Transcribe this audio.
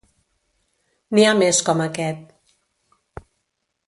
N'hi ha més com aquest.